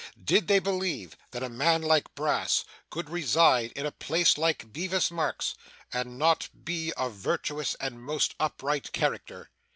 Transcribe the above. Did they believe that a man like Brass could reside in a place like Bevis Marks, and not be a virtuous and most upright character?